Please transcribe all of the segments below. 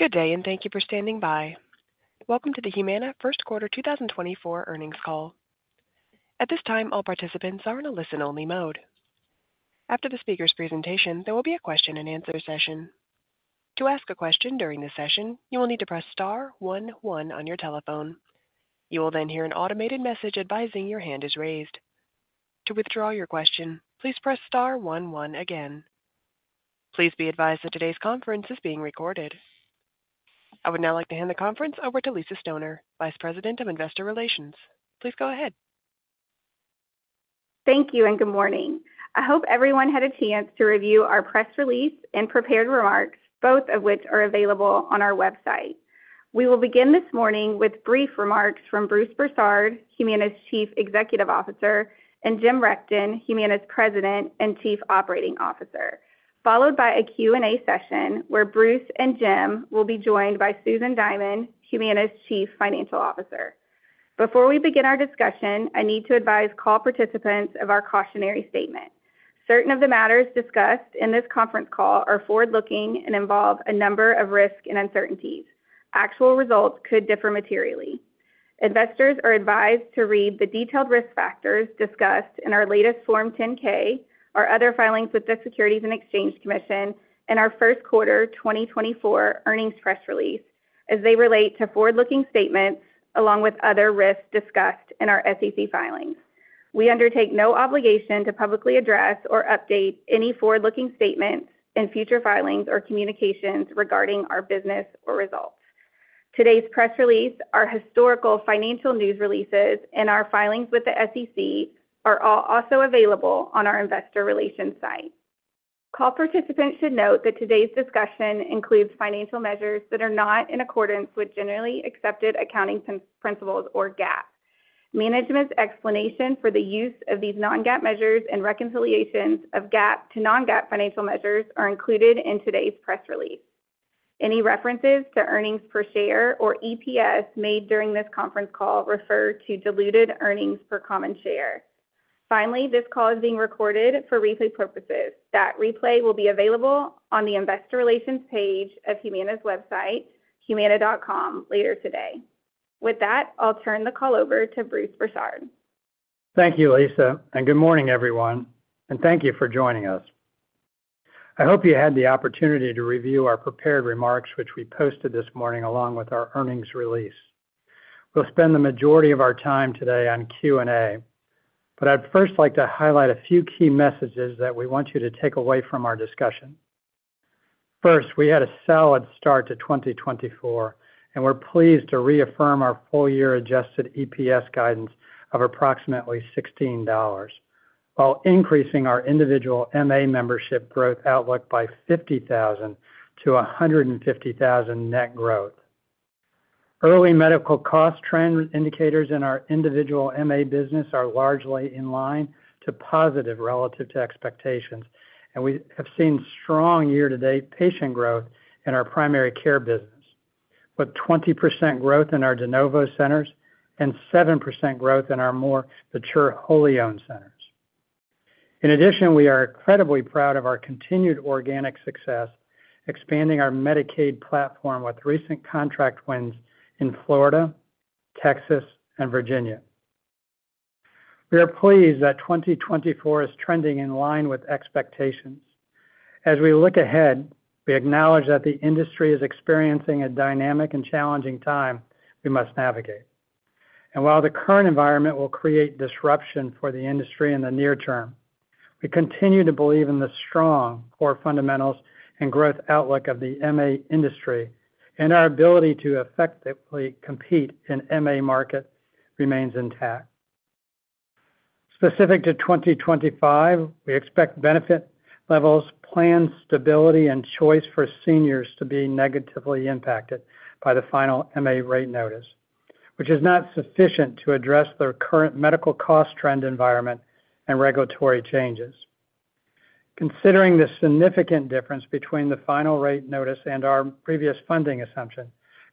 Good day, and thank you for standing by. Welcome to the Humana First Quarter 2024 Earnings Call. At this time, all participants are in a listen-only mode. After the speaker's presentation, there will be a question-and-answer session. To ask a question during the session, you will need to press star one one on your telephone. You will then hear an automated message advising your hand is raised. To withdraw your question, please press star one one again. Please be advised that today's conference is being recorded. I would now like to hand the conference over to Lisa Stoner, Vice President of Investor Relations. Please go ahead. Thank you, and good morning. I hope everyone had a chance to review our press release and prepared remarks, both of which are available on our website. We will begin this morning with brief remarks from Bruce Broussard, Humana's Chief Executive Officer, and Jim Rechtin, Humana's President and Chief Operating Officer, followed by a Q&A session where Bruce and Jim will be joined by Susan Diamond, Humana's Chief Financial Officer. Before we begin our discussion, I need to advise call participants of our cautionary statement. Certain of the matters discussed in this conference call are forward-looking and involve a number of risks and uncertainties. Actual results could differ materially. Investors are advised to read the detailed risk factors discussed in our latest Form 10-K or other filings with the Securities and Exchange Commission in our first quarter 2024 earnings press release as they relate to forward-looking statements, along with other risks discussed in our SEC filings. We undertake no obligation to publicly address or update any forward-looking statements in future filings or communications regarding our business or results. Today's press release, our historical financial news releases, and our filings with the SEC are all also available on our investor relations site. Call participants should note that today's discussion includes financial measures that are not in accordance with generally accepted accounting principles, or GAAP. Management's explanation for the use of these non-GAAP measures and reconciliations of GAAP to non-GAAP financial measures are included in today's press release. Any references to earnings per share or EPS made during this conference call refer to diluted earnings per common share. Finally, this call is being recorded for replay purposes. That replay will be available on the Investor Relations page of Humana's website, humana.com, later today. With that, I'll turn the call over to Bruce Broussard. Thank you, Lisa, and good morning, everyone, and thank you for joining us. I hope you had the opportunity to review our prepared remarks, which we posted this morning, along with our earnings release. We'll spend the majority of our time today on Q&A, but I'd first like to highlight a few key messages that we want you to take away from our discussion. First, we had a solid start to 2024, and we're pleased to reaffirm our full-year adjusted EPS guidance of approximately $16, while increasing our individual MA membership growth outlook by 50,000-150,000 net growth. Early medical cost trend indicators in our individual MA business are largely in line to positive relative to expectations, and we have seen strong year-to-date patient growth in our primary care business, with 20% growth in our de novo centers and 7% growth in our more mature wholly owned centers. In addition, we are incredibly proud of our continued organic success, expanding our Medicaid platform with recent contract wins in Florida, Texas, and Virginia. We are pleased that 2024 is trending in line with expectations. As we look ahead, we acknowledge that the industry is experiencing a dynamic and challenging time we must navigate. And while the current environment will create disruption for the industry in the near term, we continue to believe in the strong core fundamentals and growth outlook of the MA industry, and our ability to effectively compete in MA market remains intact. Specific to 2025, we expect benefit levels, plan stability, and choice for seniors to be negatively impacted by the final MA rate notice, which is not sufficient to address the current medical cost trend environment and regulatory changes. Considering the significant difference between the final rate notice and our previous funding assumption,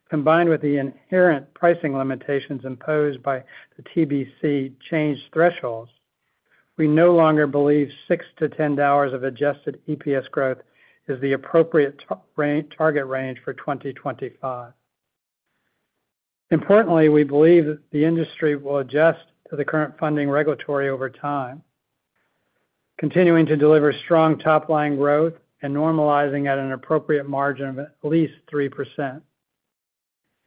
combined with the inherent pricing limitations imposed by the TBC change thresholds, we no longer believe $6-$10 of adjusted EPS growth is the appropriate target range for 2025. Importantly, we believe that the industry will adjust to the current funding regulatory over time, continuing to deliver strong top-line growth and normalizing at an appropriate margin of at least 3%.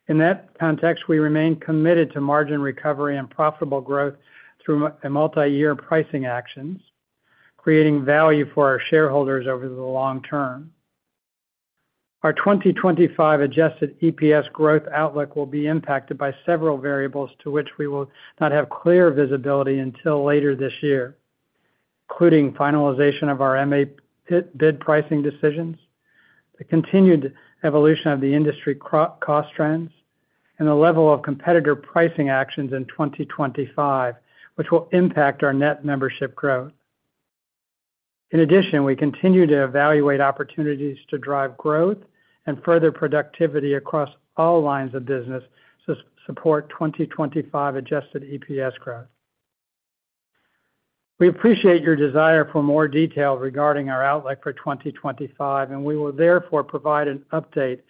In that context, we remain committed to margin recovery and profitable growth through a multi-year pricing actions, creating value for our shareholders over the long term. Our 2025 adjusted EPS growth outlook will be impacted by several variables, to which we will not have clear visibility until later this year, including finalization of our MA bid, bid pricing decisions, the continued evolution of the industry cost trends, and the level of competitor pricing actions in 2025, which will impact our net membership growth. In addition, we continue to evaluate opportunities to drive growth and further productivity across all lines of business to support 2025 adjusted EPS growth. We appreciate your desire for more detail regarding our outlook for 2025, and we will therefore provide an update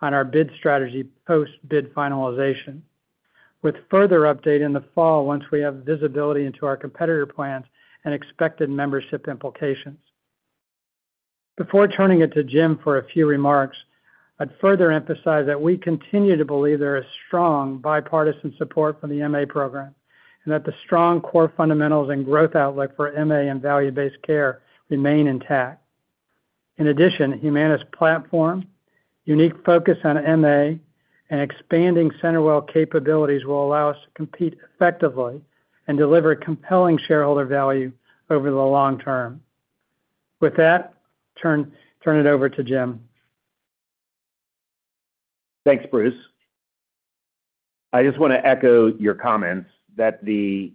on our bid strategy post-bid finalization, with further update in the fall once we have visibility into our competitor plans and expected membership implications. Before turning it to Jim for a few remarks, I'd further emphasize that we continue to believe there is strong bipartisan support for the MA program, and that the strong core fundamentals and growth outlook for MA and value-based care remain intact. In addition, Humana's platform, unique focus on MA, and expanding CenterWell capabilities will allow us to compete effectively and deliver compelling shareholder value over the long term. With that, turn it over to Jim. Thanks, Bruce. I just want to echo your comments that the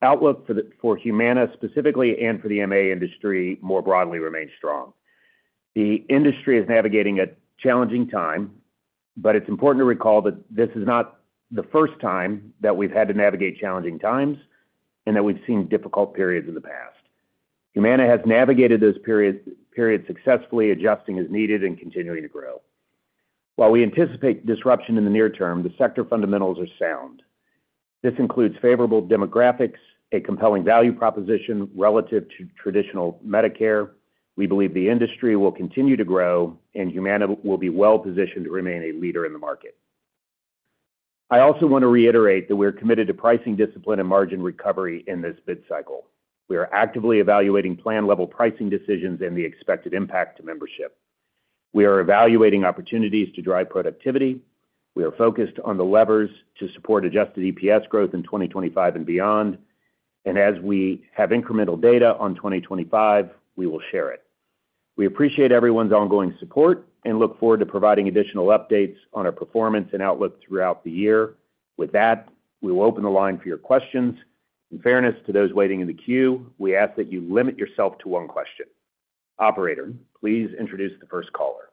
outlook for Humana specifically, and for the MA industry more broadly, remains strong. The industry is navigating a challenging time, but it's important to recall that this is not the first time that we've had to navigate challenging times, and that we've seen difficult periods in the past. Humana has navigated those periods successfully, adjusting as needed and continuing to grow. While we anticipate disruption in the near term, the sector fundamentals are sound. This includes favorable demographics, a compelling value proposition relative to traditional Medicare. We believe the industry will continue to grow, and Humana will be well positioned to remain a leader in the market. I also want to reiterate that we're committed to pricing discipline and margin recovery in this bid cycle. We are actively evaluating plan-level pricing decisions and the expected impact to membership. We are evaluating opportunities to drive productivity. We are focused on the levers to support Adjusted EPS growth in 2025 and beyond. As we have incremental data on 2025, we will share it. We appreciate everyone's ongoing support and look forward to providing additional updates on our performance and outlook throughout the year. With that, we will open the line for your questions. In fairness to those waiting in the queue, we ask that you limit yourself to one question. Operator, please introduce the first caller.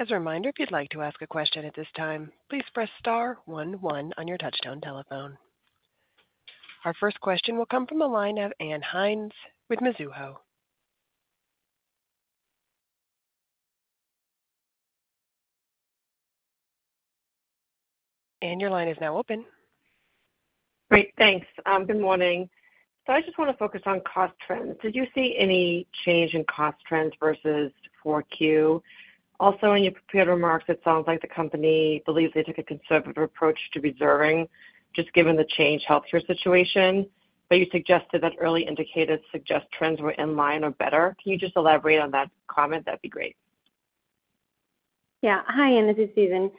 As a reminder, if you'd like to ask a question at this time, please press star one one on your touchtone telephone. Our first question will come from the line of Ann Hynes with Mizuho. Ann, your line is now open. Great, thanks. Good morning. So I just want to focus on cost trends. Did you see any change in cost trends versus 4Q? Also, in your prepared remarks, it sounds like the company believes they took a conservative approach to reserving, just given the Change Healthcare situation, but you suggested that early indicators suggest trends were in line or better. Can you just elaborate on that comment? That'd be great. Yeah. Hi, Ann, this is Susan.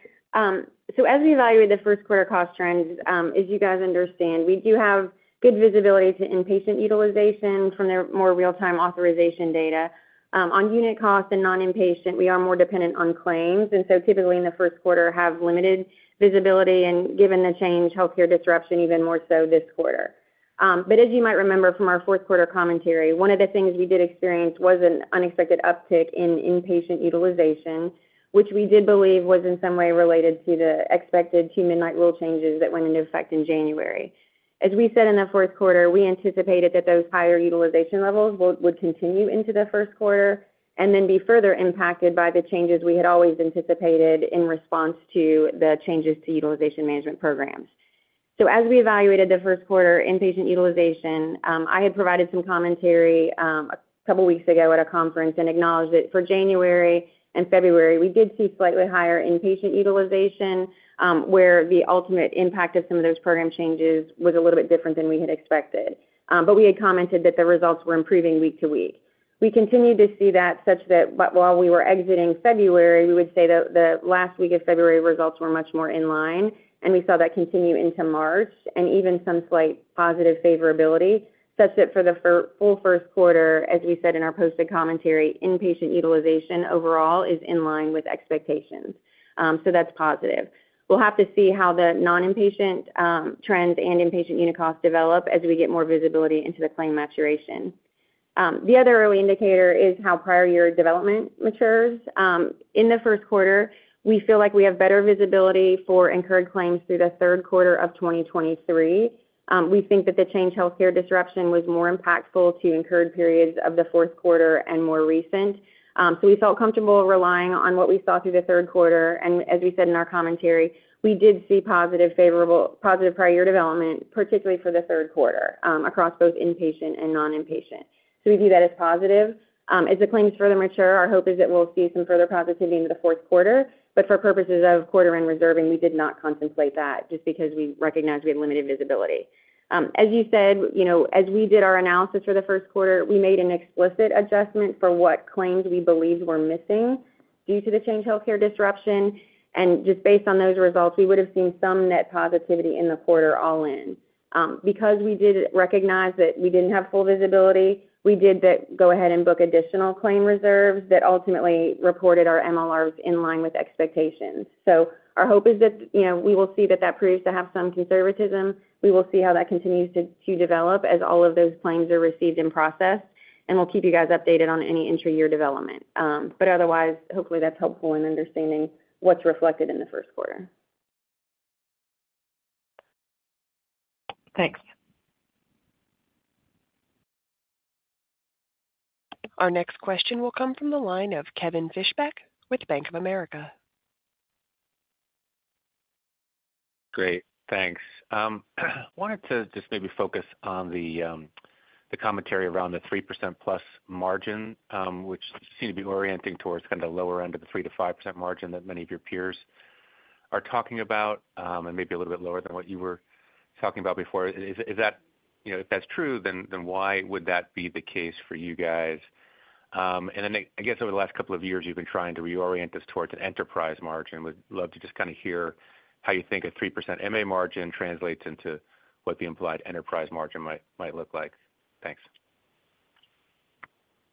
So as we evaluate the first quarter cost trends, as you guys understand, we do have good visibility to inpatient utilization from the more real-time authorization data. On unit costs and non-inpatient, we are more dependent on claims, and so typically in the first quarter, have limited visibility, and given the Change Healthcare disruption, even more so this quarter. But as you might remember from our fourth quarter commentary, one of the things we did experience was an unexpected uptick in inpatient utilization, which we did believe was in some way related to the expected Two-Midnight Rule changes that went into effect in January. As we said in the fourth quarter, we anticipated that those higher utilization levels would continue into the first quarter and then be further impacted by the changes we had always anticipated in response to the changes to utilization management programs. So as we evaluated the first quarter inpatient utilization, I had provided some commentary a couple weeks ago at a conference and acknowledged that for January and February, we did see slightly higher inpatient utilization, where the ultimate impact of some of those program changes was a little bit different than we had expected. But we had commented that the results were improving week to week. We continued to see that such that while we were exiting February, we would say that the last week of February, results were much more in line, and we saw that continue into March and even some slight positive favorability, such that for the full first quarter, as we said in our posted commentary, inpatient utilization overall is in line with expectations. So that's positive. We'll have to see how the non-inpatient trends and inpatient unit costs develop as we get more visibility into the claim maturation. The other early indicator is how prior year development matures. In the first quarter, we feel like we have better visibility for incurred claims through the third quarter of 2023. We think that the Change Healthcare disruption was more impactful to incurred periods of the fourth quarter and more recent. So we felt comfortable relying on what we saw through the third quarter, and as we said in our commentary, we did see positive, favorable, positive prior development, particularly for the third quarter, across both inpatient and non-inpatient. So we view that as positive. As the claims further mature, our hope is that we'll see some further positivity in the fourth quarter, but for purposes of quarter-end reserving, we did not contemplate that, just because we recognize we have limited visibility. As you said, you know, as we did our analysis for the first quarter, we made an explicit adjustment for what claims we believed were missing due to the Change Healthcare disruption, and just based on those results, we would have seen some net positivity in the quarter all in. Because we did recognize that we didn't have full visibility, we did go ahead and book additional claim reserves that ultimately reported our MLRs in line with expectations. So our hope is that, you know, we will see that that proves to have some conservatism. We will see how that continues to develop as all of those claims are received and processed, and we'll keep you guys updated on any intra-year development. But otherwise, hopefully, that's helpful in understanding what's reflected in the first quarter. Thanks.... Our next question will come from the line of Kevin Fischbeck with Bank of America. Great, thanks. Wanted to just maybe focus on the commentary around the 3%+ margin, which seemed to be orienting towards kind of the lower end of the 3%-5% margin that many of your peers are talking about, and maybe a little bit lower than what you were talking about before. Is that, you know, if that's true, then why would that be the case for you guys? And then, I guess over the last couple of years, you've been trying to reorient this towards an enterprise margin. Would love to just kinda hear how you think a 3% MA margin translates into what the implied enterprise margin might look like. Thanks.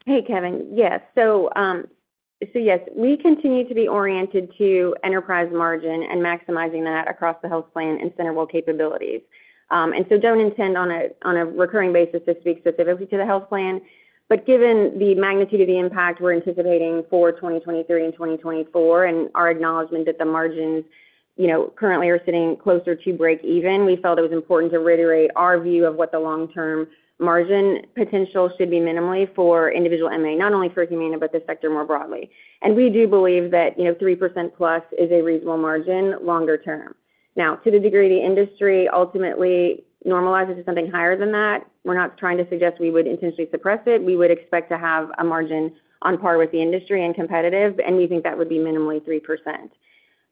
Hey, Kevin. Yes. So, so yes, we continue to be oriented to enterprise margin and maximizing that across the health plan and CenterWell capabilities. And so don't intend on a, on a recurring basis to speak specifically to the health plan. But given the magnitude of the impact we're anticipating for 2023 and 2024, and our acknowledgement that the margins, you know, currently are sitting closer to breakeven, we felt it was important to reiterate our view of what the long-term margin potential should be minimally for individual MA, not only for Humana, but the sector more broadly. And we do believe that, you know, 3%+ is a reasonable margin longer term. Now, to the degree the industry ultimately normalizes to something higher than that, we're not trying to suggest we would intentionally suppress it. We would expect to have a margin on par with the industry and competitive, and we think that would be minimally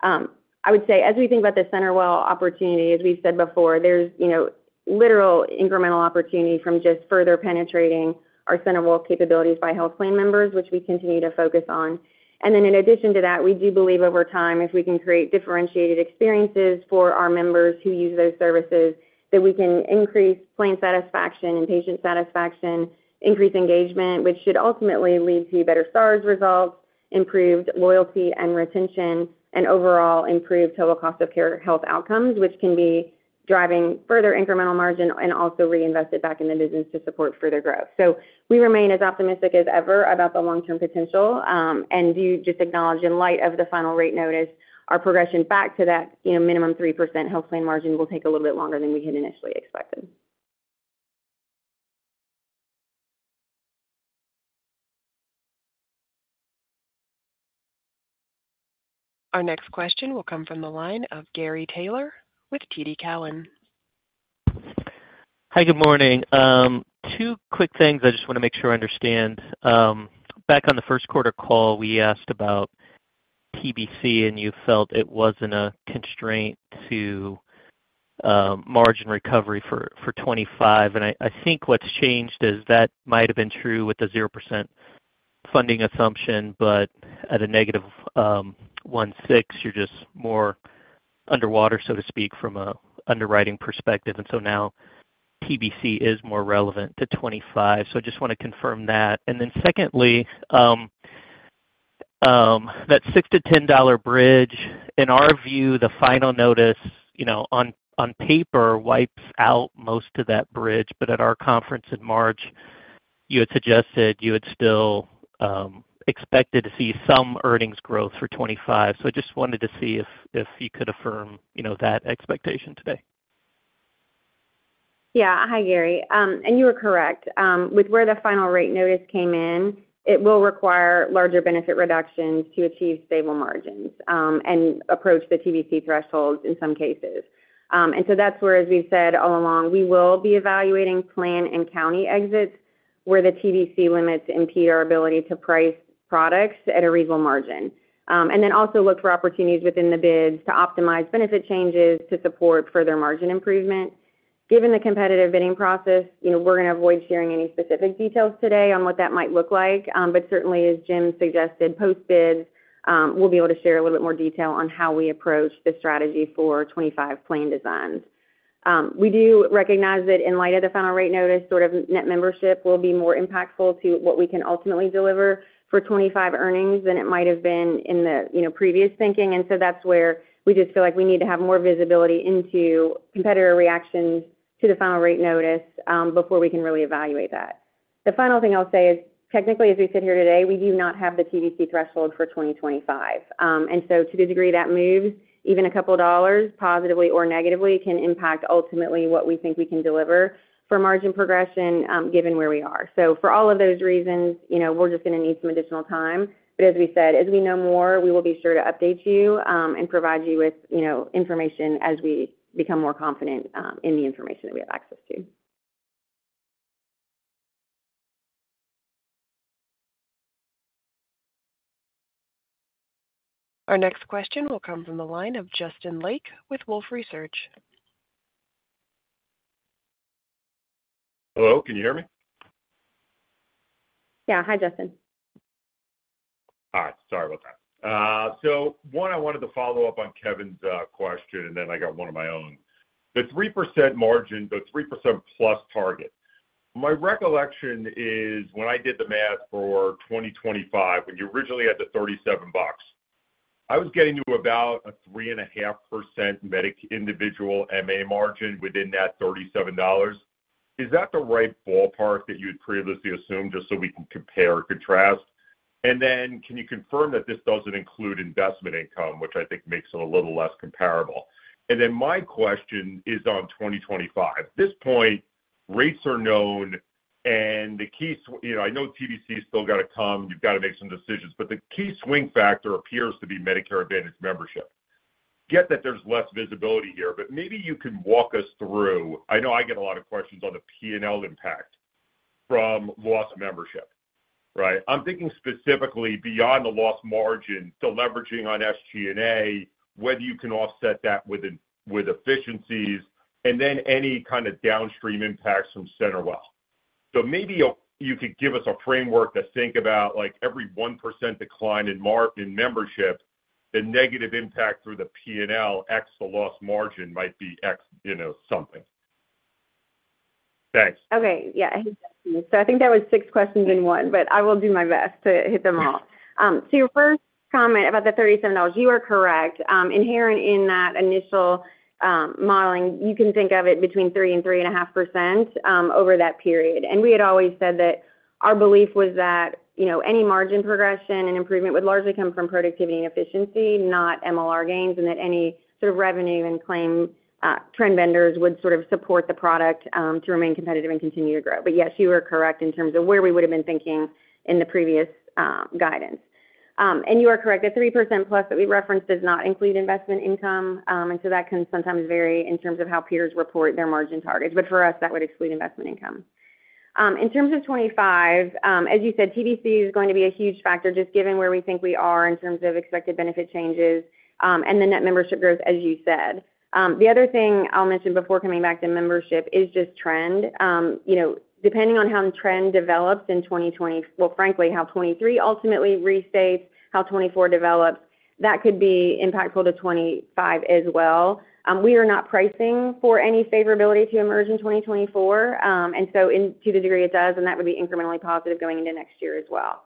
3%. I would say, as we think about the CenterWell opportunity, as we've said before, there's, you know, literal incremental opportunity from just further penetrating our CenterWell capabilities by health plan members, which we continue to focus on. And then in addition to that, we do believe over time, if we can create differentiated experiences for our members who use those services, that we can increase plan satisfaction and patient satisfaction, increase engagement, which should ultimately lead to better service results, improved loyalty and retention, and overall improved total cost of care health outcomes, which can be driving further incremental margin and also reinvest it back in the business to support further growth. We remain as optimistic as ever about the long-term potential, and do just acknowledge, in light of the final rate notice, our progression back to that, you know, minimum 3% health plan margin will take a little bit longer than we had initially expected. Our next question will come from the line of Gary Taylor with TD Cowen. Hi, good morning. Two quick things I just wanna make sure I understand. Back on the first quarter call, we asked about TBC, and you felt it wasn't a constraint to margin recovery for 2025. I think what's changed is that might have been true with the 0% funding assumption, but at a -16, you're just more underwater, so to speak, from an underwriting perspective. So now TBC is more relevant to 2025. So I just wanna confirm that. Then secondly, that $6-$10 bridge, in our view, the final notice, you know, on paper, wipes out most of that bridge. But at our conference in March, you had suggested you had still expected to see some earnings growth for 2025. I just wanted to see if you could affirm, you know, that expectation today. Yeah. Hi, Gary. You are correct. With where the final rate notice came in, it will require larger benefit reductions to achieve stable margins, and approach the TBC thresholds in some cases. And so that's where, as we've said all along, we will be evaluating plan and county exits where the TBC limits impede our ability to price products at a reasonable margin. And then also look for opportunities within the bids to optimize benefit changes to support further margin improvement. Given the competitive bidding process, you know, we're gonna avoid sharing any specific details today on what that might look like. But certainly, as Jim suggested, post-bid, we'll be able to share a little bit more detail on how we approach the strategy for 25 plan designs. We do recognize that in light of the final rate notice, sort of net membership will be more impactful to what we can ultimately deliver for 25 earnings than it might have been in the, you know, previous thinking. And so that's where we just feel like we need to have more visibility into competitor reactions to the final rate notice, before we can really evaluate that. The final thing I'll say is, technically, as we sit here today, we do not have the TBC threshold for 2025. And so to the degree that moves, even a couple of dollars, positively or negatively, can impact ultimately what we think we can deliver for margin progression, given where we are. For all of those reasons, you know, we're just gonna need some additional time, but as we said, as we know more, we will be sure to update you, and provide you with, you know, information as we become more confident in the information that we have access to. Our next question will come from the line of Justin Lake with Wolfe Research. Hello, can you hear me? Yeah. Hi, Justin. Hi, sorry about that. So one, I wanted to follow up on Kevin's question, and then I got one of my own. The 3% margin, the 3%+ target. My recollection is when I did the math for 2025, when you originally had the $37, I was getting to about a 3.5% medic, individual MA margin within that $37. Is that the right ballpark that you had previously assumed, just so we can compare or contrast? And then can you confirm that this doesn't include investment income, which I think makes it a little less comparable? And then my question is on 2025. At this point, rates are known and the key, you know, I know TBC has still got to come, you've got to make some decisions, but the key swing factor appears to be Medicare Advantage membership. Got that there's less visibility here, but maybe you can walk us through. I know I get a lot of questions on the P&L impact from lost membership, right? I'm thinking specifically beyond the lost margin, so leveraging on SG&A, whether you can offset that with, with efficiencies and then any kind of downstream impacts from CenterWell. So maybe you, you could give us a framework to think about, like, every 1% decline in membership, the negative impact through the P&L x, the lost margin might be x, you know, something. Thanks. Okay. Yeah. So I think that was six questions in one, but I will do my best to hit them all. So your first comment about the $37, you are correct. Inherent in that initial modeling, you can think of it between 3% and 3.5% over that period. And we had always said that our belief was that, you know, any margin progression and improvement would largely come from productivity and efficiency, not MLR gains, and that any sort of revenue and claim trend vendors would sort of support the product to remain competitive and continue to grow. But yes, you are correct in terms of where we would have been thinking in the previous guidance. You are correct, the 3%+ that we referenced does not include investment income, and so that can sometimes vary in terms of how peers report their margin targets, but for us, that would exclude investment income. In terms of 2025, as you said, TBC is going to be a huge factor, just given where we think we are in terms of expected benefit changes, and the net membership growth, as you said. The other thing I'll mention before coming back to membership is just trend. You know, depending on how the trend develops in 2020... Well, frankly, how 2023 ultimately restates, how 2024 develops, that could be impactful to 2025 as well. We are not pricing for any favorability to emerge in 2024, and so to the degree it does, and that would be incrementally positive going into next year as well.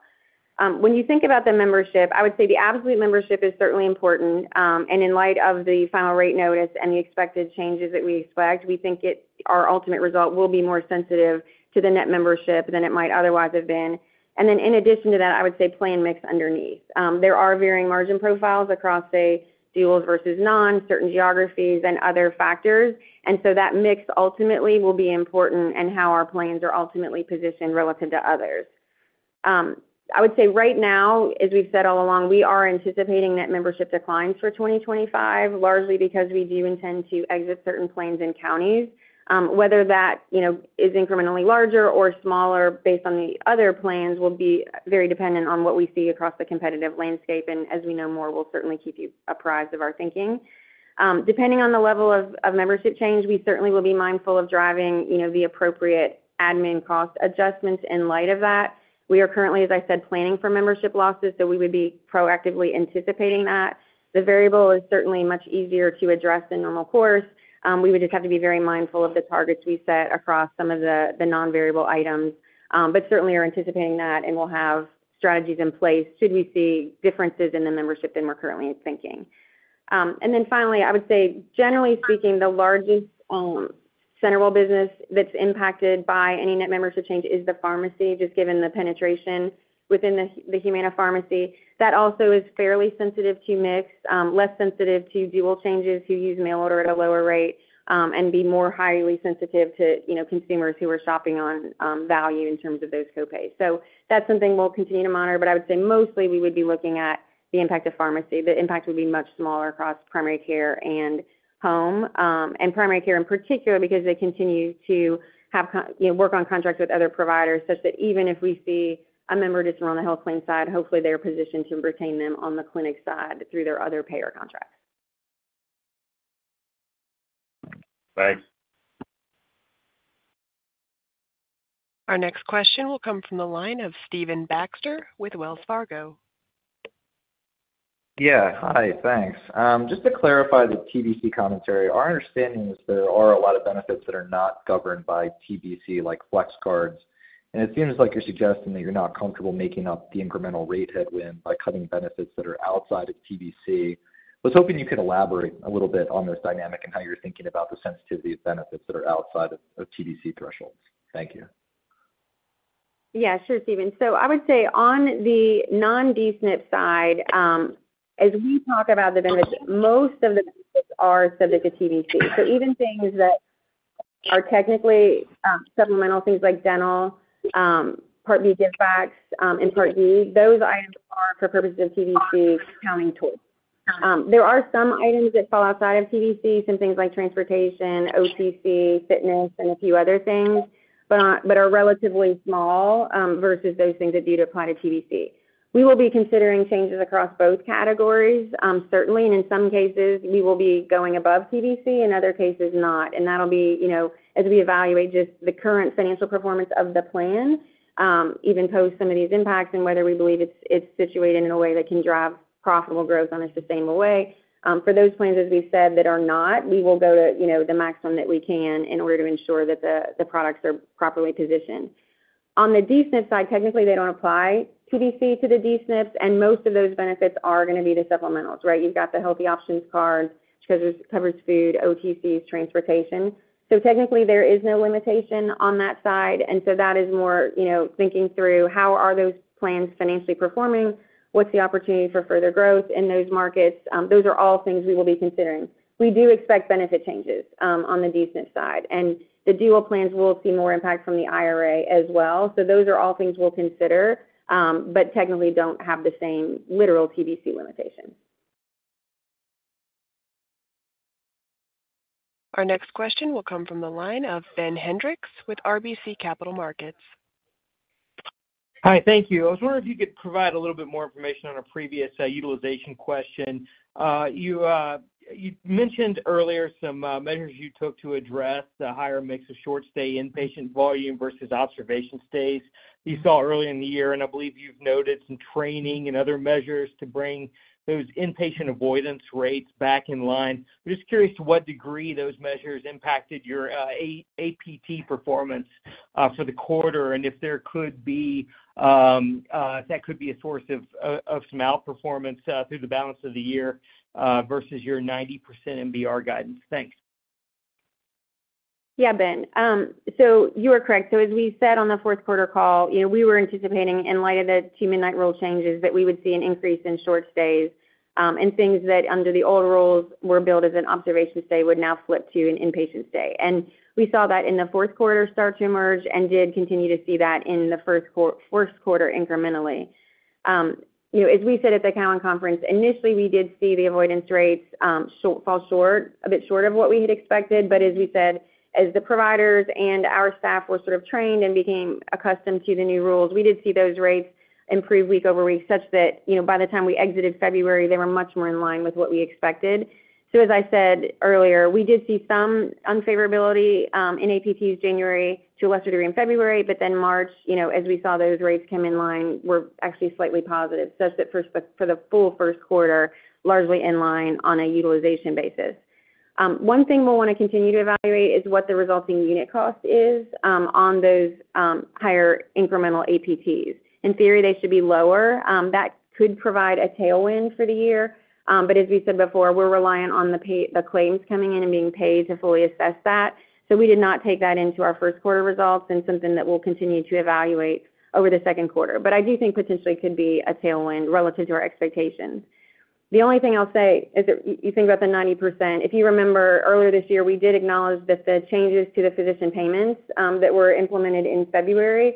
When you think about the membership, I would say the absolute membership is certainly important, and in light of the final rate notice and the expected changes that we expect, we think it, our ultimate result will be more sensitive to the net membership than it might otherwise have been. And then in addition to that, I would say plan mix underneath. There are varying margin profiles across, say, dual versus non, certain geographies and other factors, and so that mix ultimately will be important in how our plans are ultimately positioned relative to others. I would say right now, as we've said all along, we are anticipating net membership declines for 2025, largely because we do intend to exit certain plans and counties. Whether that, you know, is incrementally larger or smaller based on the other plans, will be very dependent on what we see across the competitive landscape, and as we know more, we'll certainly keep you apprised of our thinking. Depending on the level of membership change, we certainly will be mindful of driving, you know, the appropriate admin cost adjustments in light of that. We are currently, as I said, planning for membership losses, so we would be proactively anticipating that. The variable is certainly much easier to address in normal course. We would just have to be very mindful of the targets we set across some of the, the non-variable items, but certainly are anticipating that, and we'll have strategies in place should we see differences in the membership than we're currently thinking. And then finally, I would say, generally speaking, the largest, CenterWell business that's impacted by any net membership change is the pharmacy, just given the penetration within the, the Humana pharmacy. That also is fairly sensitive to mix, less sensitive to dual changes, who use mail order at a lower rate, and be more highly sensitive to, you know, consumers who are shopping on, value in terms of those copays. So that's something we'll continue to monitor, but I would say mostly we would be looking at the impact of pharmacy. The impact would be much smaller across primary care and home, and primary care in particular, because they continue to have, you know, work on contracts with other providers, such that even if we see a member just on the health plan side, hopefully they are positioned to retain them on the clinic side through their other payer contracts. Thanks. Our next question will come from the line of Stephen Baxter with Wells Fargo. Yeah. Hi, thanks. Just to clarify the TBC commentary, our understanding is there are a lot of benefits that are not governed by TBC, like flex cards. And it seems like you're suggesting that you're not comfortable making up the incremental rate headwind by cutting benefits that are outside of TBC. I was hoping you could elaborate a little bit on this dynamic and how you're thinking about the sensitivity of benefits that are outside of, of TBC thresholds. Thank you. Yeah, sure, Stephen. So I would say on the non-D-SNP side, as we talk about the benefits, most of the benefits are subject to TBC. So even things that are technically supplemental, things like dental, Part B givebacks, and Part D, those items are, for purposes of TBC, counting towards. There are some items that fall outside of TBC, some things like transportation, OTC, fitness, and a few other things, but are relatively small versus those things that do apply to TBC. We will be considering changes across both categories, certainly, and in some cases, we will be going above TBC, in other cases, not. That'll be, you know, as we evaluate just the current financial performance of the plan, even post some of these impacts and whether we believe it's situated in a way that can drive profitable growth on a sustainable way. For those plans, as we said, that are not, we will go to, you know, the maximum that we can in order to ensure that the products are properly positioned. On the D-SNP side, technically, they don't apply TBC to the D-SNPs, and most of those benefits are gonna be the supplementals, right? You've got the Healthy Options cards, which covers food, OTCs, transportation. So technically, there is no limitation on that side. And so that is more, you know, thinking through how are those plans financially performing? What's the opportunity for further growth in those markets? Those are all things we will be considering. We do expect benefit changes on the D-SNP side, and the dual plans will see more impact from the IRA as well. So those are all things we'll consider, but technically don't have the same literal TBC limitation. Our next question will come from the line of Ben Hendrix with RBC Capital Markets. Hi, thank you. I was wondering if you could provide a little bit more information on a previous utilization question. You mentioned earlier some measures you took to address the higher mix of short stay inpatient volume versus observation stays you saw early in the year, and I believe you've noted some training and other measures to bring those inpatient avoidance rates back in line. I'm just curious to what degree those measures impacted your APT performance for the quarter, and if that could be a source of some outperformance through the balance of the year versus your 90% MBR guidance. Thanks. Yeah, Ben. So you are correct. So as we said on the fourth quarter call, you know, we were anticipating in light of the Two-Midnight Rule changes, that we would see an increase in short stays, and things that, under the old rules, were billed as an observation stay would now flip to an inpatient stay. And we saw that in the fourth quarter start to emerge and did continue to see that in the first quarter incrementally. You know, as we said at the Cowen conference, initially, we did see the avoidance rates fall a bit short of what we had expected. But as we said, as the providers and our staff were sort of trained and became accustomed to the new rules, we did see those rates improve week over week, such that, you know, by the time we exited February, they were much more in line with what we expected. So as I said earlier, we did see some unfavorability in APTs January, to a lesser degree in February, but then March, you know, as we saw those rates come in line, were actually slightly positive, such that for the full first quarter, largely in line on a utilization basis. One thing we'll wanna continue to evaluate is what the resulting unit cost is on those higher incremental APTs. In theory, they should be lower. That could provide a tailwind for the year, but as we said before, we're reliant on the payer, the claims coming in and being paid to fully assess that. So we did not take that into our first quarter results and something that we'll continue to evaluate over the second quarter. But I do think potentially could be a tailwind relative to our expectations. The only thing I'll say is that you think about the 90%. If you remember earlier this year, we did acknowledge that the changes to the physician payments, that were implemented in February,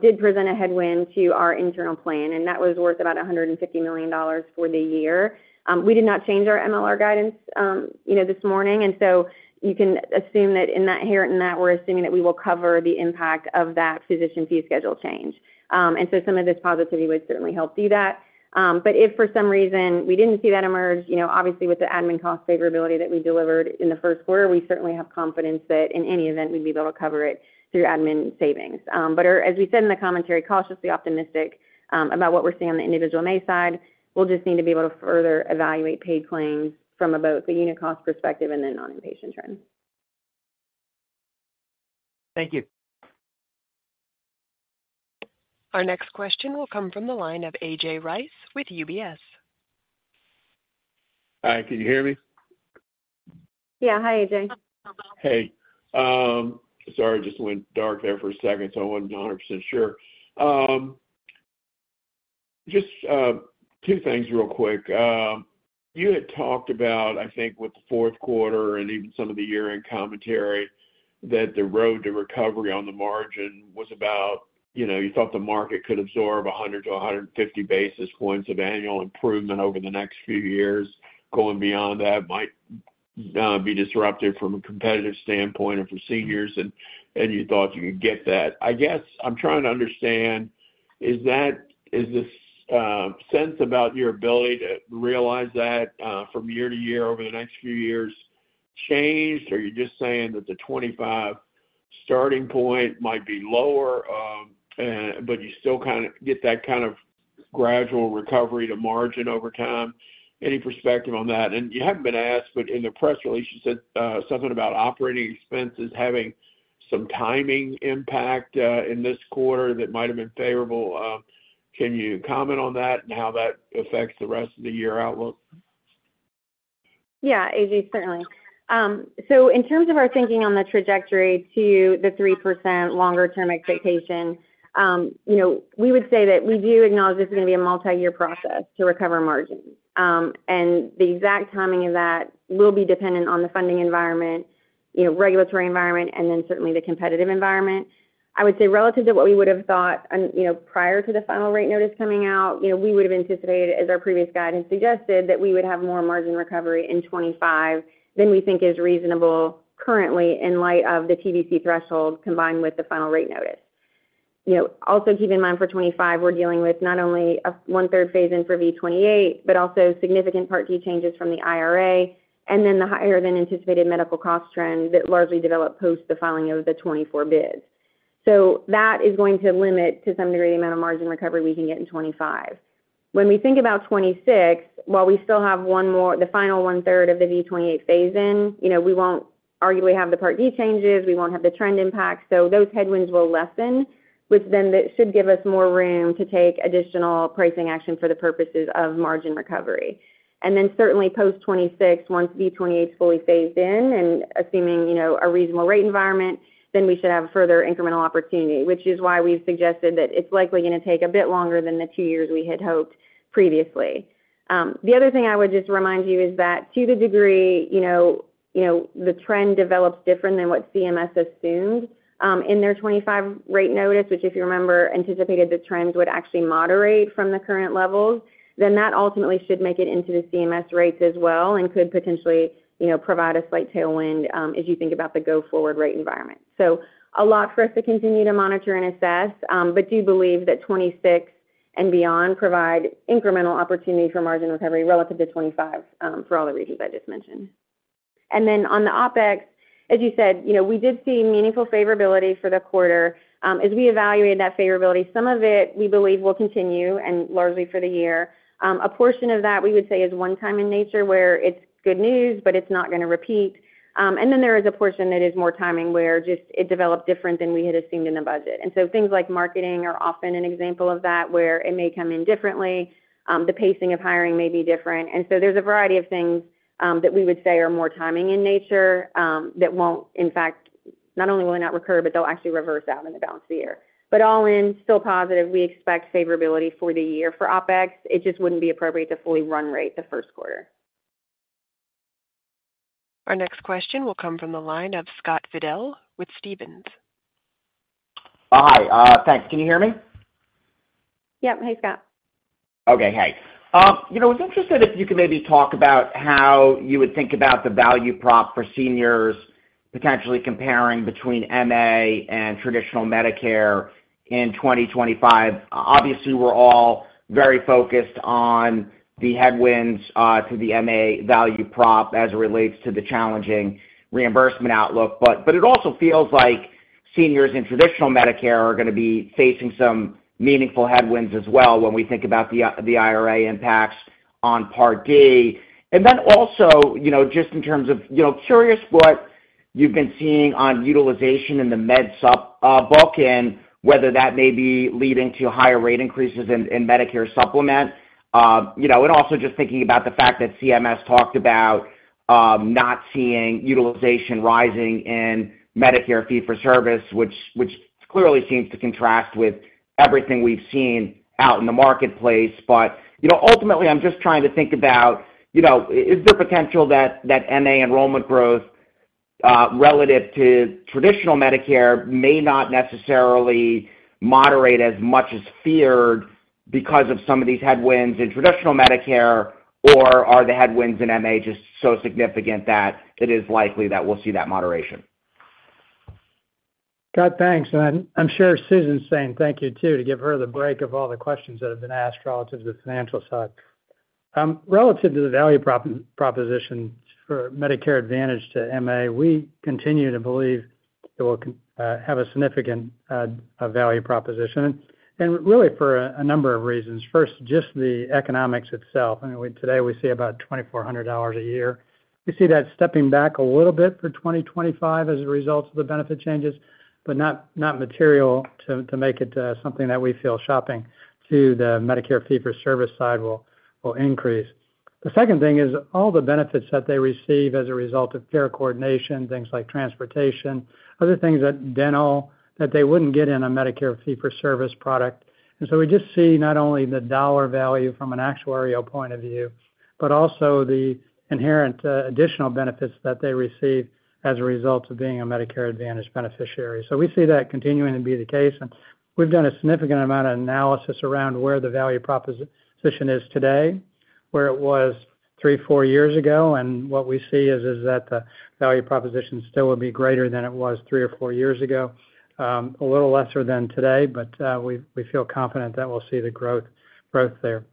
did present a headwind to our internal plan, and that was worth about $150 million for the year. We did not change our MLR guidance, you know, this morning, and so you can assume that in that, inherent in that, we're assuming that we will cover the impact of that physician fee schedule change. And so some of this positivity would certainly help do that. But if for some reason we didn't see that emerge, you know, obviously, with the admin cost favorability that we delivered in the first quarter, we certainly have confidence that in any event, we'd be able to cover it through admin savings. But, as we said in the commentary, cautiously optimistic about what we're seeing on the individual MA side. We'll just need to be able to further evaluate paid claims from about the unit cost perspective and then non-inpatient terms. Thank you. Our next question will come from the line of A.J. Rice with UBS. Hi, can you hear me? Yeah. Hi, AJ. Hey, sorry, it just went dark there for a second, so I wasn't 100% sure. Just, two things real quick. You had talked about, I think, with the fourth quarter and even some of the year-end commentary, that the road to recovery on the margin was about, you know, you thought the market could absorb 100-150 basis points of annual improvement over the next few years. Going beyond that might be disruptive from a competitive standpoint and for seniors, and you thought you could get that. I guess I'm trying to understand, is that is this sense about your ability to realize that, from year to year, over the next few years changed, or you're just saying that the 25 starting point might be lower, but you still kinda get that kind of gradual recovery to margin over time? Any perspective on that? And you haven't been asked, but in the press release, you said something about operating expenses having some timing impact in this quarter that might have been favorable. Can you comment on that and how that affects the rest of the year outlook? Yeah, AJ, certainly. In terms of our thinking on the trajectory to the 3% longer-term expectation, you know, we would say that we do acknowledge this is gonna be a multi-year process to recover margins. The exact timing of that will be dependent on the funding environment, you know, regulatory environment, and then certainly the competitive environment. I would say relative to what we would have thought, you know, prior to the final rate notice coming out, you know, we would have anticipated, as our previous guidance suggested, that we would have more margin recovery in 2025 than we think is reasonable currently in light of the TBC threshold, combined with the final rate notice. You know, also keep in mind, for 2025, we're dealing with not only a 1/3 phase in for V28, but also significant Part D changes from the IRA, and then the higher than anticipated medical cost trends that largely developed post the filing of the 2024 bids. So that is going to limit, to some degree, the amount of margin recovery we can get in 2025. When we think about 2026, while we still have one more, the final 1/3 of the V28 phase-in, you know, we won't arguably have the Part D changes, we won't have the trend impact. So those headwinds will lessen, which then that should give us more room to take additional pricing action for the purposes of margin recovery. And then certainly post-2026, once V28 is fully phased in, and assuming, you know, a reasonable rate environment, then we should have further incremental opportunity, which is why we've suggested that it's likely gonna take a bit longer than the two years we had hoped previously. The other thing I would just remind you is that to the degree, you know, you know, the trend develops different than what CMS assumed, in their 2025 rate notice, which, if you remember, anticipated the trends would actually moderate from the current levels, then that ultimately should make it into the CMS rates as well, and could potentially, you know, provide a slight tailwind, as you think about the go-forward rate environment. So a lot for us to continue to monitor and assess, but do believe that 2026 and beyond provide incremental opportunity for margin recovery relative to 2025, for all the reasons I just mentioned. And then on the OpEx, as you said, you know, we did see meaningful favorability for the quarter. As we evaluated that favorability, some of it, we believe, will continue, and largely for the year. A portion of that, we would say, is one time in nature, where it's good news, but it's not gonna repeat. And then there is a portion that is more timing, where just it developed different than we had assumed in the budget. And so things like marketing are often an example of that, where it may come in differently, the pacing of hiring may be different. And so there's a variety of things, that we would say are more timing in nature, that won't, in fact, not only will it not recur, but they'll actually reverse out in the balance of the year. But all in, still positive, we expect favorability for the year. For OpEx, it just wouldn't be appropriate to fully run rate the first quarter. Our next question will come from the line of Scott Fidel with Stephens. Oh, hi. Thanks. Can you hear me? Yep. Hey, Scott. Okay, hey. You know, I was interested if you could maybe talk about how you would think about the value prop for seniors, potentially comparing between MA and traditional Medicare in 2025. Obviously, we're all very focused on the headwinds to the MA value prop as it relates to the challenging reimbursement outlook. But it also feels like seniors in traditional Medicare are gonna be facing some meaningful headwinds as well, when we think about the IRA impacts on Part D. And then also, you know, just in terms of, you know, curious what you've been seeing on utilization in the Med Sup book, and whether that may be leading to higher rate increases in Medicare Supplement. You know, and also just thinking about the fact that CMS talked about not seeing utilization rising in Medicare Fee-for- Service, which clearly seems to contrast with everything we've seen out in the marketplace. But, you know, ultimately, I'm just trying to think about, you know, is there potential that MA enrollment growth relative to traditional Medicare may not necessarily moderate as much as feared because of some of these headwinds in traditional Medicare? Or are the headwinds in MA just so significant that it is likely that we'll see that moderation? Scott, thanks. And I'm sure Susan's saying thank you, too, to give her the break of all the questions that have been asked relative to the financial side. Relative to the value proposition for Medicare Advantage to MA, we continue to believe that we'll have a significant value proposition, and really for a number of reasons. First, just the economics itself. I mean, today, we see about $2,400 a year. We see that stepping back a little bit for 2025 as a result of the benefit changes, but not material to make it something that we feel superior to the Medicare Fee-for-Service side will increase. The second thing is all the benefits that they receive as a result of care coordination, things like transportation, other things like dental, that they wouldn't get in a Medicare Fee-for-Service product. And so we just see not only the dollar value from an actuarial point of view, but also the inherent additional benefits that they receive as a result of being a Medicare Advantage beneficiary. So we see that continuing to be the case, and we've done a significant amount of analysis around where the value proposition is today, where it was three or four years ago, and what we see is that the value proposition still will be greater than it was three or four years ago. A little lesser than today, but we feel confident that we'll see the growth there.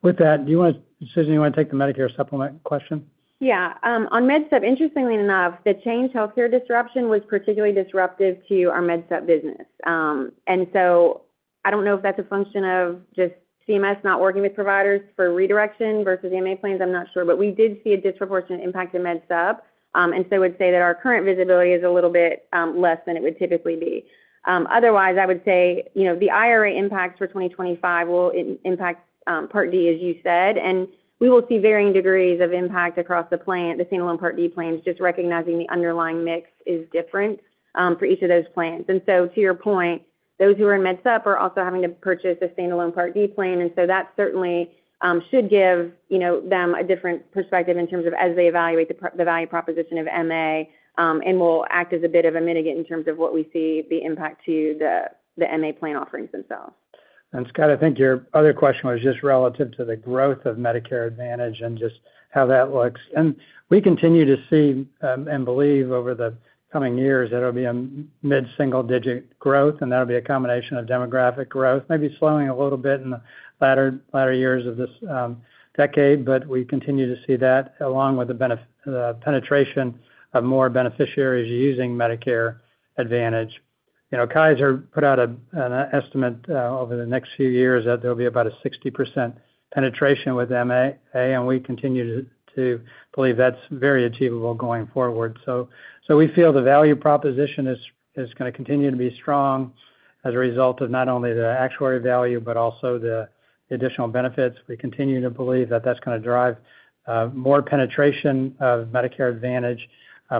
With that, do you want to... Susan, you wanna take the Medicare Supplement question? Yeah. On Med Sup, interestingly enough, the Change Healthcare disruption was particularly disruptive to our Med Sup business. And so I don't know if that's a function of just CMS not working with providers for redirection versus MA plans. I'm not sure, but we did see a disproportionate impact in Med Sup. And so I would say that our current visibility is a little bit less than it would typically be. Otherwise, I would say, you know, the IRA impacts for 2025 will impact Part D, as you said, and we will see varying degrees of impact across the plan, the standalone Part D plans, just recognizing the underlying mix is different for each of those plans. To your point, those who are in Med Sup are also having to purchase a standalone Part D plan, and so that certainly should give, you know, them a different perspective in terms of as they evaluate the value proposition of MA, and will act as a bit of a mitigate in terms of what we see the impact to the MA plan offerings themselves. Scott, I think your other question was just relative to the growth of Medicare Advantage and just how that looks. We continue to see and believe over the coming years that it'll be a mid-single-digit growth, and that'll be a combination of demographic growth, maybe slowing a little bit in the latter years of this decade, but we continue to see that, along with the penetration of more beneficiaries using Medicare Advantage. You know, Kaiser put out an estimate over the next few years that there'll be about a 60% penetration with MA, and we continue to believe that's very achievable going forward. So, we feel the value proposition is gonna continue to be strong as a result of not only the actuarial value, but also the additional benefits. We continue to believe that that's gonna drive more penetration of Medicare Advantage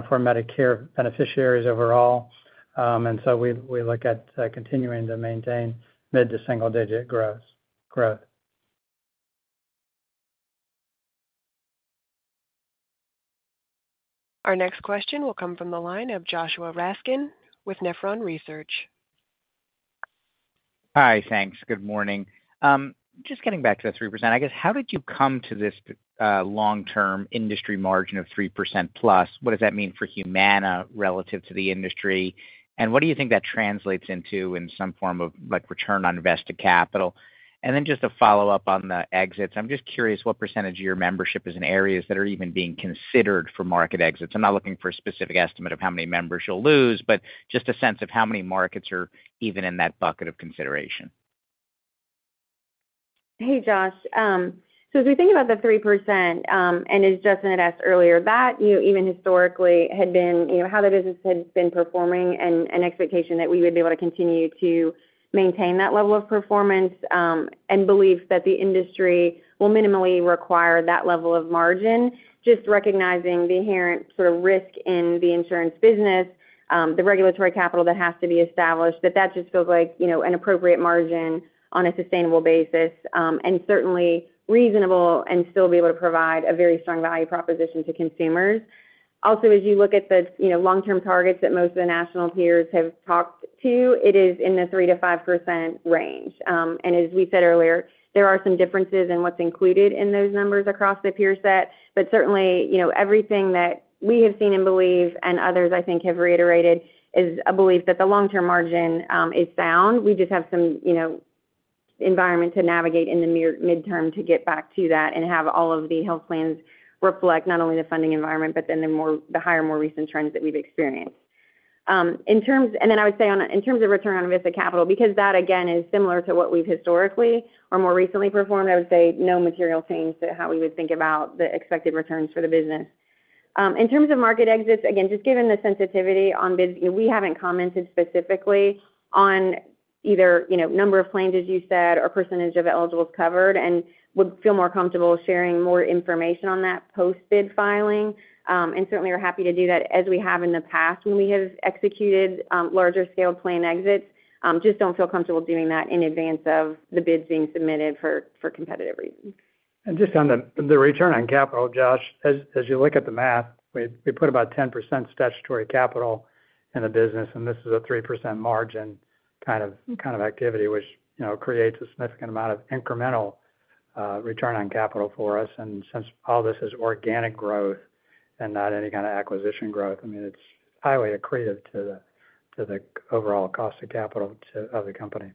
for Medicare beneficiaries overall. And so we look at continuing to maintain mid- to single-digit gross growth. Our next question will come from the line of Joshua Raskin with Nephron Research. Hi, thanks. Good morning. Just getting back to that 3%, I guess, how did you come to this long-term industry margin of 3%+? What does that mean for Humana relative to the industry? And what do you think that translates into in some form of, like, return on invested capital? And then just a follow-up on the exits. I'm just curious what percentage of your membership is in areas that are even being considered for market exits? I'm not looking for a specific estimate of how many members you'll lose, but just a sense of how many markets are even in that bucket of consideration. Hey, Josh. So as we think about the 3%, and as Justin had asked earlier, that, you know, even historically had been, you know, how the business had been performing and an expectation that we would be able to continue to maintain that level of performance, and believe that the industry will minimally require that level of margin. Just recognizing the inherent sort of risk in the insurance business, the regulatory capital that has to be established, that that just feels like, you know, an appropriate margin on a sustainable basis, and certainly reasonable and still be able to provide a very strong value proposition to consumers. Also, as you look at the, you know, long-term targets that most of the national peers have talked to, it is in the 3%-5% range. And as we said earlier, there are some differences in what's included in those numbers across the peer set, but certainly, you know, everything that we have seen and believe, and others, I think, have reiterated, is a belief that the long-term margin is sound. We just have some, you know, environment to navigate in the near- midterm to get back to that and have all of the health plans reflect not only the funding environment, but then the more, the higher, more recent trends that we've experienced. And then I would say on, in terms of return on invested capital, because that, again, is similar to what we've historically or more recently performed, I would say no material change to how we would think about the expected returns for the business. In terms of market exits, again, just given the sensitivity on bid, we haven't commented specifically on either, you know, number of plans, as you said, or percentage of eligibles covered, and would feel more comfortable sharing more information on that post-bid filing. Certainly are happy to do that as we have in the past when we have executed larger scale plan exits. Just don't feel comfortable doing that in advance of the bids being submitted for competitive reasons. Just on the return on capital, Josh, as you look at the math, we put about 10% statutory capital in the business, and this is a 3% margin kind of activity, which, you know, creates a significant amount of incremental return on capital for us. Since all this is organic growth and not any kind of acquisition growth, I mean, it's highly accretive to the overall cost of capital of the company.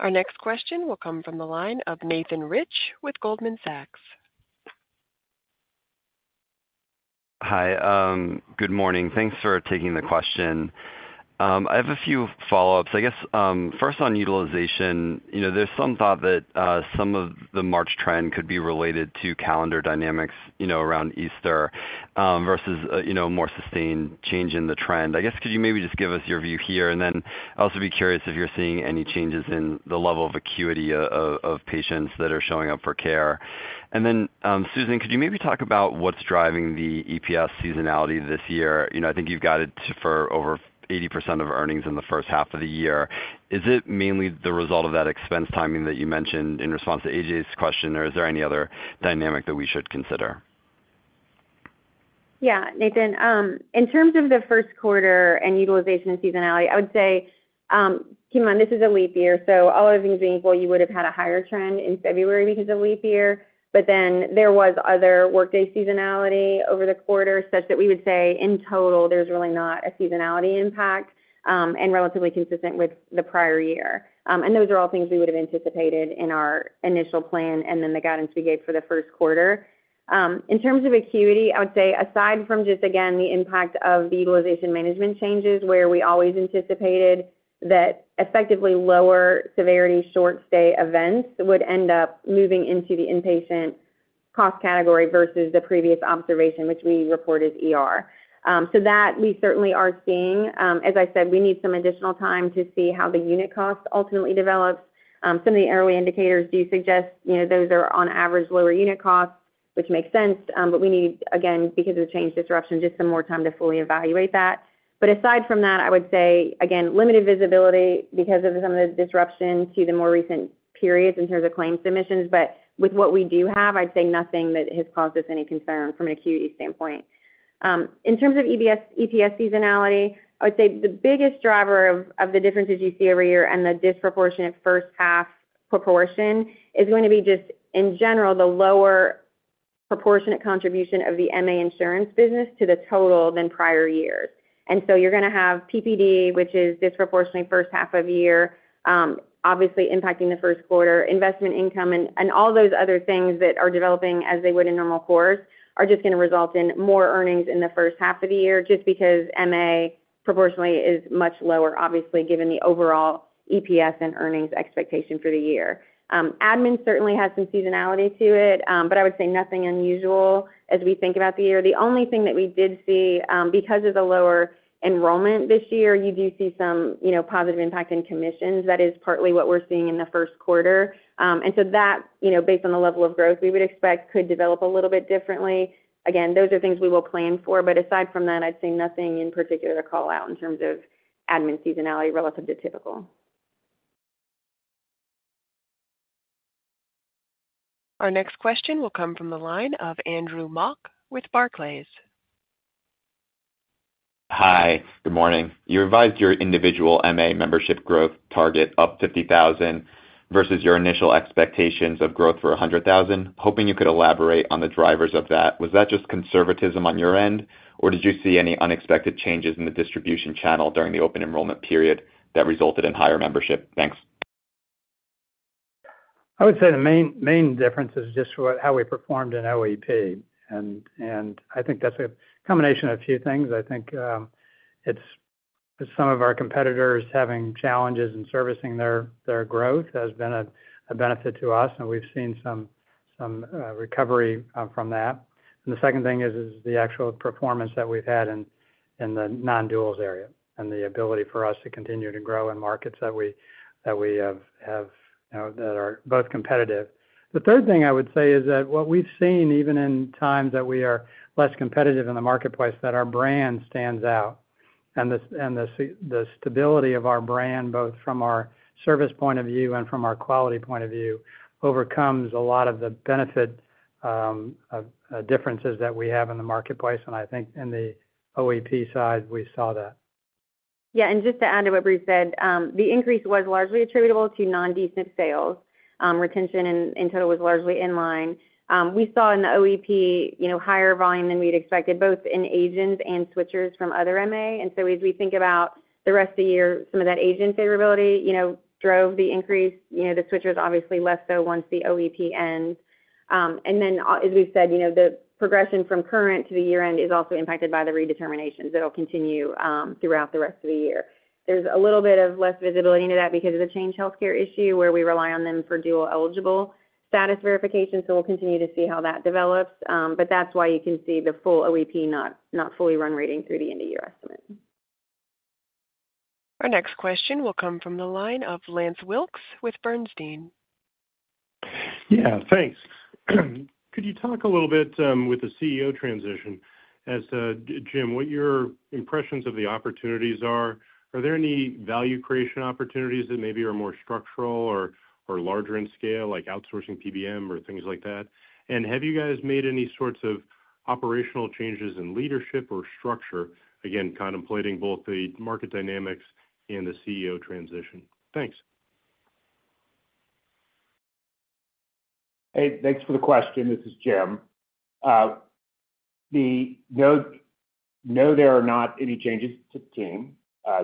Our next question will come from the line of Nathan Rich with Goldman Sachs. Hi, good morning. Thanks for taking the question. I have a few follow-ups. I guess, first on utilization, you know, there's some thought that some of the March trend could be related to calendar dynamics, you know, around Easter, versus, you know, a more sustained change in the trend. I guess, could you maybe just give us your view here? And then I'd also be curious if you're seeing any changes in the level of acuity of patients that are showing up for care. And then, Susan, could you maybe talk about what's driving the EPS seasonality this year? You know, I think you've got it for over 80% of earnings in the first half of the year. Is it mainly the result of that expense timing that you mentioned in response to A.J.'s question, or is there any other dynamic that we should consider? Yeah, Nathan, in terms of the first quarter and utilization and seasonality, I would say, keep in mind, this is a leap year, so all other things being equal, you would have had a higher trend in February because of leap year, but then there was other workday seasonality over the quarter, such that we would say, in total, there's really not a seasonality impact, and relatively consistent with the prior year. And those are all things we would have anticipated in our initial plan and then the guidance we gave for the first quarter. In terms of acuity, I would say, aside from just, again, the impact of the utilization management changes, where we always anticipated that effectively lower severity, short stay events would end up moving into the inpatient cost category versus the previous observation, which we reported ER. So that we certainly are seeing. As I said, we need some additional time to see how the unit costs ultimately develop. Some of the early indicators do suggest, you know, those are on average, lower unit costs, which makes sense, but we need, again, because of the Change disruption, just some more time to fully evaluate that. But aside from that, I would say, again, limited visibility because of some of the disruption to the more recent periods in terms of claims submissions. But with what we do have, I'd say nothing that has caused us any concern from an acuity standpoint. In terms of EPS seasonality, I would say the biggest driver of, of the differences you see every year and the disproportionate first half proportion is going to be just, in general, the lower,... proportionate contribution of the MA insurance business to the total than prior years. And so you're gonna have PPD, which is disproportionately first half of the year, obviously impacting the first quarter, investment income and all those other things that are developing as they would in normal course, are just gonna result in more earnings in the first half of the year, just because MA proportionately is much lower, obviously, given the overall EPS and earnings expectation for the year. Admin certainly has some seasonality to it, but I would say nothing unusual as we think about the year. The only thing that we did see, because of the lower enrollment this year, you do see some, you know, positive impact in commissions. That is partly what we're seeing in the first quarter. And so that, you know, based on the level of growth we would expect, could develop a little bit differently. Again, those are things we will plan for, but aside from that, I'd say nothing in particular to call out in terms of admin seasonality relative to typical. Our next question will come from the line of Andrew Mok with Barclays. Hi, good morning. You revised your individual MA membership growth target up 50,000 versus your initial expectations of growth for 100,000. Hoping you could elaborate on the drivers of that. Was that just conservatism on your end, or did you see any unexpected changes in the distribution channel during the open enrollment period that resulted in higher membership? Thanks. I would say the main difference is just how we performed in OEP, and I think that's a combination of a few things. I think it's some of our competitors having challenges in servicing their growth has been a benefit to us, and we've seen some recovery from that. And the second thing is the actual performance that we've had in the non-duals area, and the ability for us to continue to grow in markets that we have, you know, that are both competitive. The third thing I would say is that what we've seen, even in times that we are less competitive in the marketplace, that our brand stands out. And the stability of our brand, both from our service point of view and from our quality point of view, overcomes a lot of the benefit of differences that we have in the marketplace. And I think in the OEP side, we saw that. Yeah, and just to add to what Bruce said, the increase was largely attributable to non-D-SNP sales. Retention in total was largely in line. We saw in the OEP, you know, higher volume than we'd expected, both in agents and switchers from other MA. And so as we think about the rest of the year, some of that agent favorability, you know, drove the increase. You know, the switchers obviously less so once the OEP ends. And then, as we've said, you know, the progression from current to the year-end is also impacted by the redeterminations that'll continue throughout the rest of the year. There's a little bit of less visibility into that because of the Change Healthcare issue, where we rely on them for dual-eligible status verification, so we'll continue to see how that develops. But that's why you can see the full OEP not fully run rating through the end-of-year estimate. Our next question will come from the line of Lance Wilkes with Bernstein. Yeah, thanks. Could you talk a little bit with the CEO transition, as Jim, what your impressions of the opportunities are? Are there any value creation opportunities that maybe are more structural or, or larger in scale, like outsourcing PBM or things like that? And have you guys made any sorts of operational changes in leadership or structure, again, contemplating both the market dynamics and the CEO transition? Thanks. Hey, thanks for the question. This is Jim. No, no, there are not any changes to the team.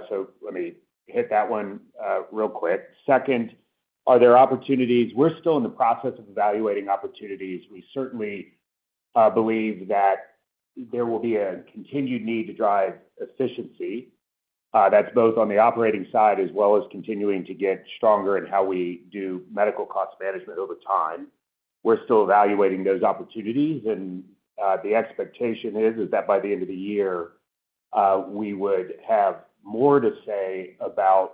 So let me hit that one real quick. Second, are there opportunities? We're still in the process of evaluating opportunities. We certainly believe that there will be a continued need to drive efficiency. That's both on the operating side, as well as continuing to get stronger in how we do medical cost management over time. We're still evaluating those opportunities, and the expectation is, is that by the end of the year, we would have more to say about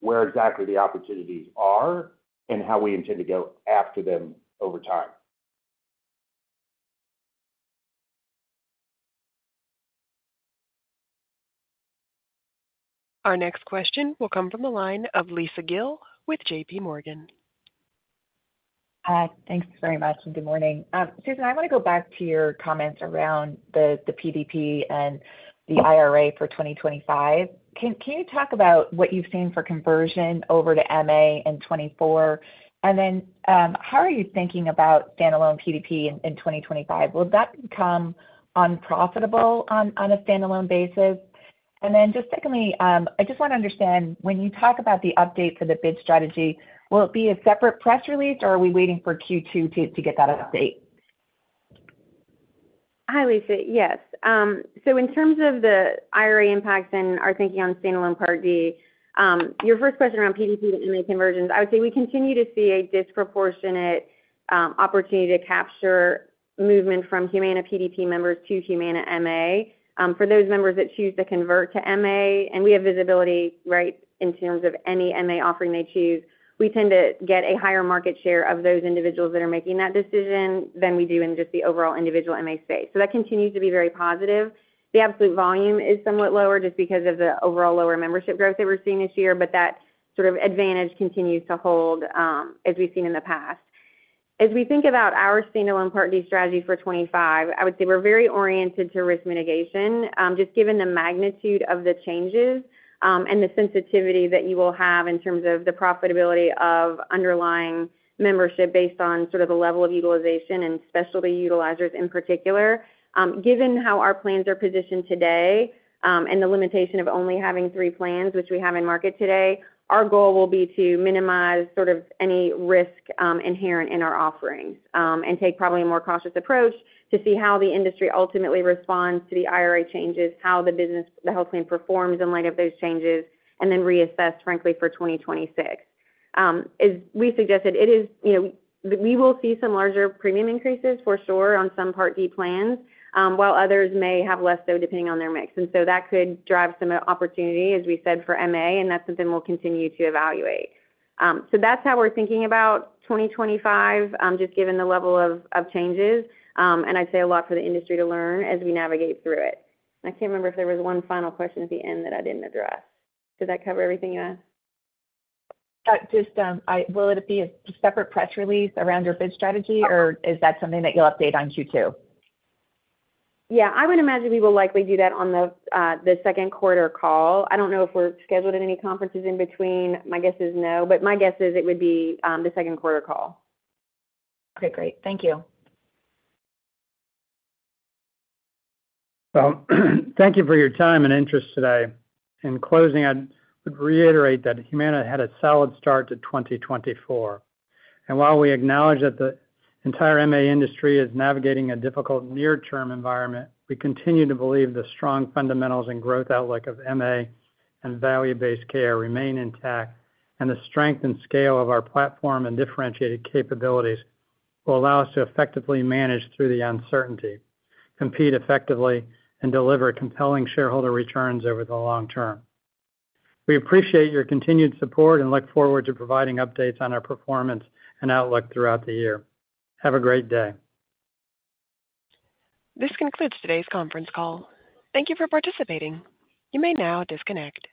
where exactly the opportunities are and how we intend to go after them over time. Our next question will come from the line of Lisa Gill with JPMorgan. Hi, thanks very much, and good morning. Susan, I want to go back to your comments around the PDP and the IRA for 2025. Can you talk about what you've seen for conversion over to MA in 2024? And then, how are you thinking about standalone PDP in 2025? Will that become unprofitable on a standalone basis? And then just secondly, I just want to understand, when you talk about the update for the bid strategy, will it be a separate press release, or are we waiting for Q2 to get that update? Hi, Lisa. Yes, so in terms of the IRA impacts and our thinking on standalone Part D, your first question around PDP to MA conversions, I would say we continue to see a disproportionate opportunity to capture movement from Humana PDP members to Humana MA. For those members that choose to convert to MA, and we have visibility, right, in terms of any MA offering they choose, we tend to get a higher market share of those individuals that are making that decision than we do in just the overall individual MA space. So that continues to be very positive. The absolute volume is somewhat lower, just because of the overall lower membership growth that we're seeing this year, but that sort of advantage continues to hold, as we've seen in the past. As we think about our stand-alone Part D strategy for 2025, I would say we're very oriented to risk mitigation, just given the magnitude of the changes, and the sensitivity that you will have in terms of the profitability of underlying membership based on sort of the level of utilization and specialty utilizers in particular. Given how our plans are positioned today, and the limitation of only having three plans, which we have in market today, our goal will be to minimize sort of any risk inherent in our offerings, and take probably a more cautious approach to see how the industry ultimately responds to the IRA changes, how the business, the health plan performs in light of those changes, and then reassess, frankly, for 2026. As we suggested, it is, you know, we will see some larger premium increases for sure on some Part D plans, while others may have less so depending on their mix, and so that could drive some opportunity, as we said, for MA, and that's something we'll continue to evaluate. So that's how we're thinking about 2025, just given the level of changes, and I'd say a lot for the industry to learn as we navigate through it. I can't remember if there was one final question at the end that I didn't address. Did that cover everything, yeah? Just, will it be a separate press release around your bid strategy, or is that something that you'll update on Q2? Yeah, I would imagine we will likely do that on the, the second quarter call. I don't know if we're scheduled in any conferences in between. My guess is no, but my guess is it would be, the second quarter call. Okay, great. Thank you. So thank you for your time and interest today. In closing, I'd reiterate that Humana had a solid start to 2024. While we acknowledge that the entire MA industry is navigating a difficult near-term environment, we continue to believe the strong fundamentals and growth outlook of MA and value-based care remain intact, and the strength and scale of our platform and differentiated capabilities will allow us to effectively manage through the uncertainty, compete effectively, and deliver compelling shareholder returns over the long term. We appreciate your continued support and look forward to providing updates on our performance and outlook throughout the year. Have a great day. This concludes today's conference call. Thank you for participating. You may now disconnect.